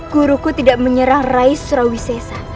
guruku tidak menyerang rais rawisesa